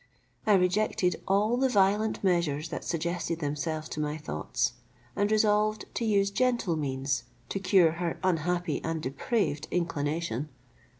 I rejected all the violent measures that suggested themselves to my thoughts, and resolved to use gentle means to cure her unhappy and depraved inclination.